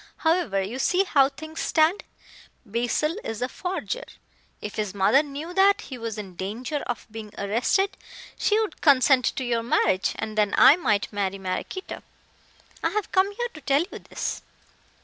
However, you see how things stand. Basil is a forger. If his mother knew that he was in danger of being arrested she would consent to your marriage, and then I might marry Maraquito. I have come here to tell you this."